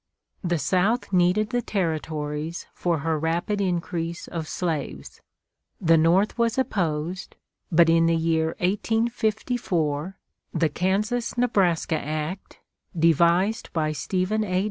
The South needed the Territories for her rapid increase of slaves. The North was opposed; but in the year 1854 the Kansas Nebraska Act, devised by Stephen A.